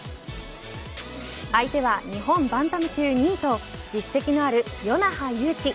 相手は日本バンタム級２位と実績のある、与那覇勇気。